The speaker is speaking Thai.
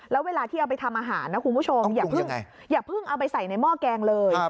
แล้วเวลาที่เอาไปทำอาหารนะคุณผู้ชมอย่าเพิ่งเอาไปใส่ในหม้อแกงเลย